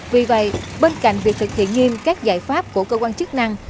vì vậy bên cạnh việc thực hiện nghiêm các giải pháp của cơ quan chức năng